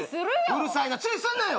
うるさいな注意すんなよ。